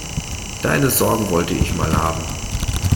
Deine Sorgen wollte ich mal haben.